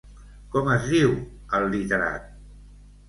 Com es diu el literat?